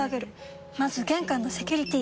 まず玄関のセキュリティ！